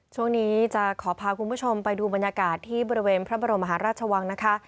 ช่วงนี้จะขอพาคุณผู้ชมไปดูบรรยากาศที่บริเวณพระบรมหาราชวังนะคะ